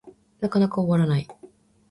なかなか終わらない